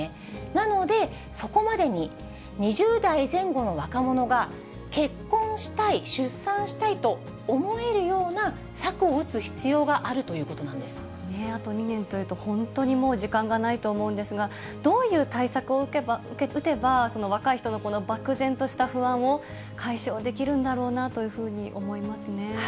なので、そこまでに、２０代前後の若者が、結婚したい、出産したいと思えるような策を打あと２年というと、本当にもう時間がないと思うんですが、どういう対策を打てば、若い人のこの漠然とした不安を解消できるんだろうなというふうに思いますね。